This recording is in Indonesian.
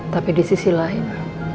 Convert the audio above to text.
tapi di sisi lain